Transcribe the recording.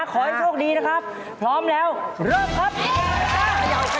ขอให้โชคดีนะครับพร้อมแล้วเริ่มครับ